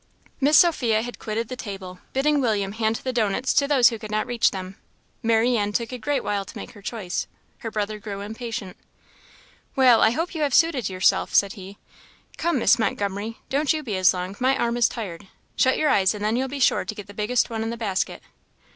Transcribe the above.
Miss Sophia had quitted the table, bidding William hand the dough nuts to those who could not reach them. Marianne took a great while to make her choice. Her brother grew impatient. "Well, I hope you have suited yourself?" said he. "Come, Miss Montgomery, don't you be as long; my arm is tired. Shut your eyes, and then you'll be sure to get the biggest one in the basket."